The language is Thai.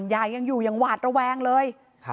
ยายยังอยู่หวาดระแวงเลย